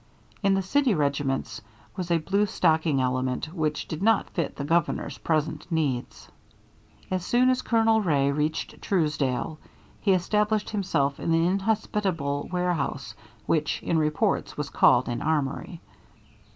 In the city regiments was a blue stocking element which did not fit the Governor's present needs. As soon as Colonel Wray reached Truesdale, he established himself in the inhospitable warehouse which in reports was called an armory.